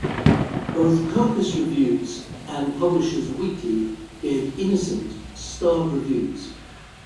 Both "Kirkus Reviews" and "Publishers Weekly" gave "Innocent" starred reviews.